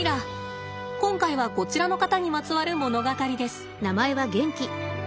今回はこちらの方にまつわる物語です。